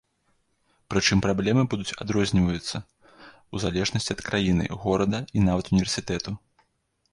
Прычым праблемы будуць адрозніваюцца ў залежнасці ад краіны, горада і нават універсітэту.